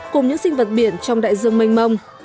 cùng những sinh vật biển trong đại dương mênh mông